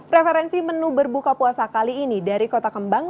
referensi menu berbuka puasa kali ini dari kota kembang